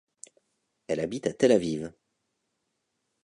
Elle habite à Tel Aviv.